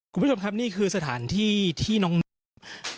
คุณผู้ชมครับนี่คือสถานที่ที่น้อง